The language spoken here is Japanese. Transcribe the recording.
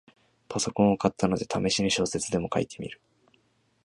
パソコンを買ったので、ためしに小説でも書いてみる